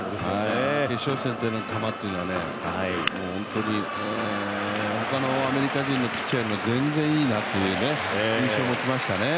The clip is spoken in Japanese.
決勝戦での球は、本当にほかのアメリカ人のピッチャーより全然いいなっていう印象を持ちましたね。